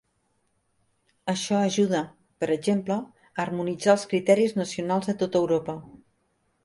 Això ajuda, per exemple, a harmonitzar els criteris nacionals a tot Europa.